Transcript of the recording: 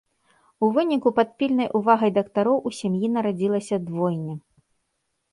У выніку пад пільнай увагай дактароў у сям'і нарадзілася двойня!